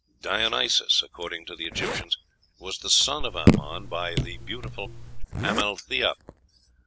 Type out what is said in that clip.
Dionysos, according to the Egyptians, was the son of Amon by the beautiful Amalthea.